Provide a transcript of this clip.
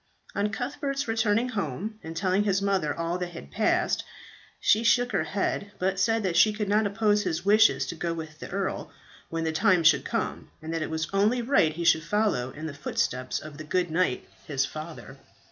On Cuthbert's returning home and telling his mother all that had passed, she shook her head, but said that she could not oppose his wishes to go with the earl when the time should come, and that it was only right he should follow in the footsteps of the good knight his father.